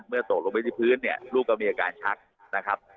ตกลงไปที่พื้นเนี่ยลูกก็มีอาการชักนะครับ